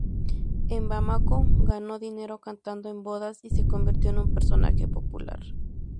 En Bamako ganó dinero cantando en bodas y se convirtió en un personaje popular.